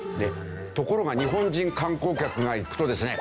ところが日本人観光客が行くとですね